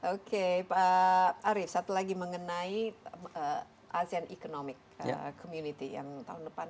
oke pak arief satu lagi mengenai asean economic community yang tahun depan